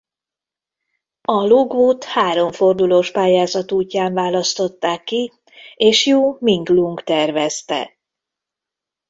A logót három fordulós pályázat útján választották ki és Ju Ming-lung tervezte.